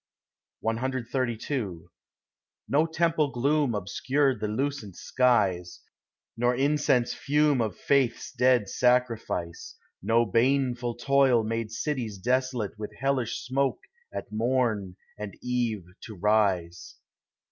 CXXXII No temple gloom obscured the lucent skies, Nor incense fume of faith's dead sacrifice, No baneful toil made cities desolate With hellish smoke at morn and eve to rise.